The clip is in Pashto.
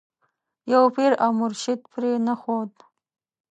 یو پیر او مرشد پرې نه ښود.